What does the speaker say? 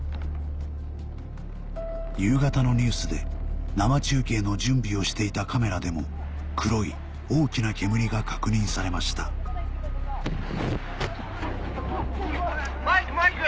夕方のニュースで生中継の準備をしていたカメラでも黒い大きな煙が確認されました・マイク！